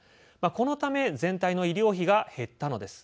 このため全体の医療費が減ったのです。